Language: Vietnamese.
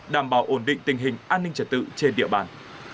đảm bảo ổn định tình hình an ninh trật tự trên địa bàn